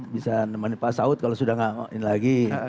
bisa menemani pak saud kalau sudah nggak ini lagi